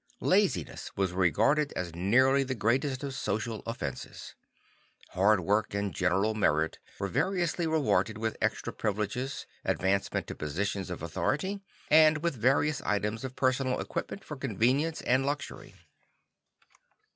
Laziness was regarded as nearly the greatest of social offenses. Hard work and general merit were variously rewarded with extra privileges, advancement to positions of authority, and with various items of personal equipment for convenience and luxury.